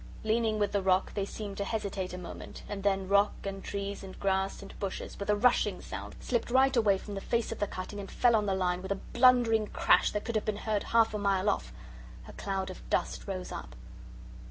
Leaning with the rock, they seemed to hesitate a moment, and then rock and trees and grass and bushes, with a rushing sound, slipped right away from the face of the cutting and fell on the line with a blundering crash that could have been heard half a mile off. A cloud of dust rose up.